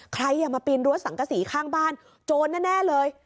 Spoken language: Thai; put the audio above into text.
ใครมาปีนรั้วสังกษีข้างบ้านโจรแน่เลย